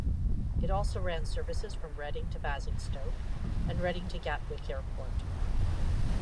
It also ran services from Reading to Basingstoke and Reading to Gatwick Airport.